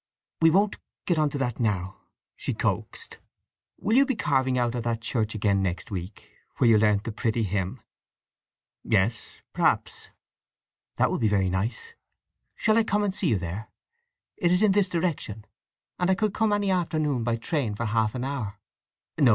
"We won't get on to that now!" she coaxed. "Will you be carving out at that church again next week, where you learnt the pretty hymn?" "Yes, perhaps." "That will be very nice. Shall I come and see you there? It is in this direction, and I could come any afternoon by train for half an hour?" "No.